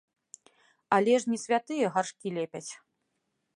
Але ж не святыя гаршкі лепяць.